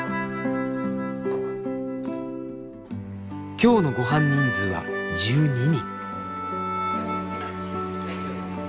今日のごはん人数は１２人。